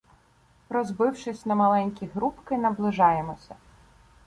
Розбившись на маленькі групки, наближаємося.